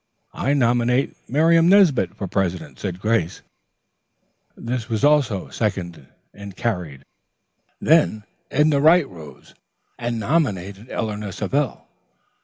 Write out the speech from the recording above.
"I nominate Miriam Nesbit for president," said Grace. This was also seconded and carried. Then Edna Wright rose and nominated Eleanor Savell.